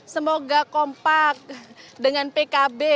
semoga kompak dengan pkb